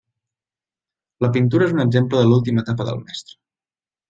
La pintura és un exemple de l'última etapa del mestre.